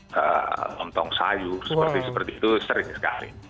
karena lontong sayur seperti itu sering sekali